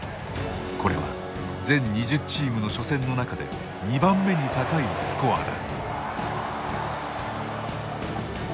これは全２０チームの初戦の中で２番目に高いスコアだ。